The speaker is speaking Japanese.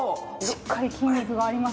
しっかり筋肉がありますね！